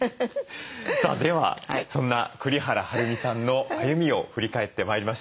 さあではそんな栗原はるみさんの歩みを振り返ってまいりましょう。